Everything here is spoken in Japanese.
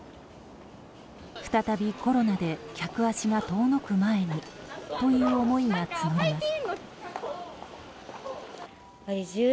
再びコロナで客足が遠のく前にという思いが募ります。